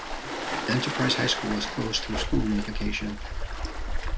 Enterprise High School was closed through school unification.